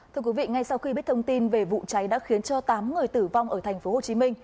thưa quý vị ngay sau khi biết thông tin về vụ cháy đã khiến cho tám người tử vong ở tp hcm